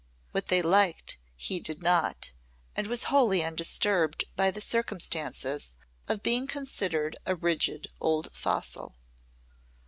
What they liked he did not and was wholly undisturbed by the circumstances of being considered a rigid old fossil.